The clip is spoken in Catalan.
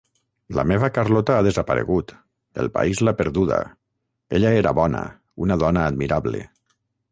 La meva Carlota ha desaparegut -el país l'ha perduda- Ella era bona, una dona admirable.